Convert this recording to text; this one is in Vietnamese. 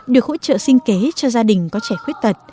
được hỗ trợ sinh kế cho gia đình có trẻ khuyết tật